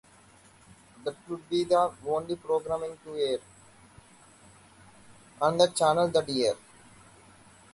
That would be the only programming to air on the channel that year.